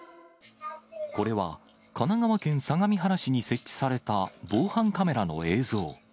これは神奈川県相模原市に設置された防犯カメラの映像。